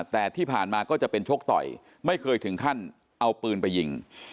แต่ที่ผ่านมาก็จะเป็นชกต่อยไม่เคยถึงขั้นเอาปืนไปยิง